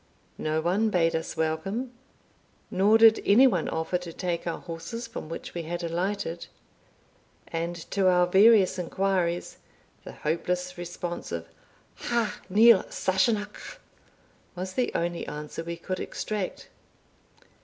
No one bade us welcome, nor did any one offer to take our horses, from which we had alighted; and to our various inquiries, the hopeless response of "Ha niel Sassenach," was the only answer we could extract.